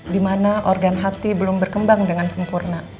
dimana organ hati belum berkembang dengan sempurna